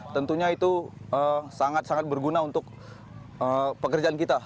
tentunya itu sangat sangat berguna untuk pekerjaan kita